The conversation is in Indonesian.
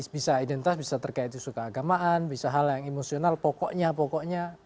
bisa identitas bisa terkait dengan agama bisa hal yang emosional pokoknya pokoknya